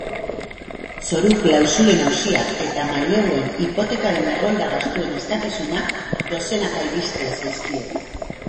Zoru klausulen auziak eta maileguen hipotekaren errolda-gastuen eskakizunak dozenaka iristen zaizkie egunero.